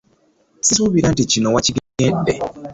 Ssisuubira nti kino wakigenderedde.